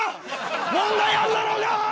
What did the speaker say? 問題あんだろうが！